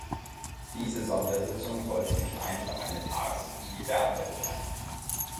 Diese Sondersitzung sollte nicht einfach eine Tagung wie jede andere sein.